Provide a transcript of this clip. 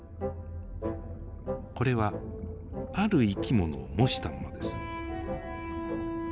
これはある生き物を模したものです。